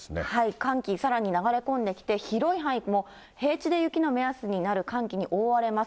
寒気、さらに流れ込んできて、広い範囲、平地で雪の目安になる寒気に覆われます。